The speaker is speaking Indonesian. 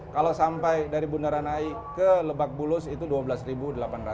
kalau sampai dari bundaran hi ke lebak bulus itu rp dua belas delapan ratus